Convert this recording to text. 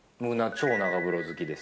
超長風呂好きです。